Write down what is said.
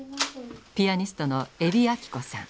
ピアニストの海老彰子さん。